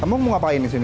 kamu mau ngapain di sini